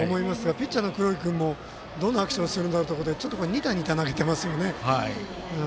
ピッチャーの黒木君も次はどんなアクションをするんだろうと思ってニタニタと投げてますよね。